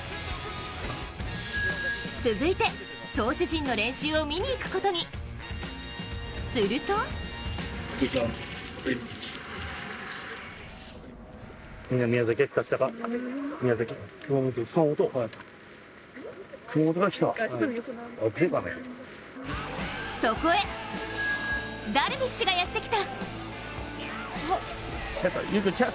続いて、投手陣の練習を見に行くことに、するとそこへダルビッシュがやってきた。